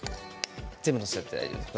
全部載せちゃって大丈夫です。